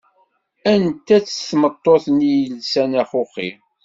Anta-tt tmeṭṭut-nni yelsan axuxi?